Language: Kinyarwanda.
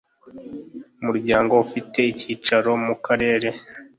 umuryango ufite icyicaro mu Karere